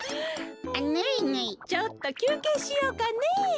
ちょっときゅうけいしようかね。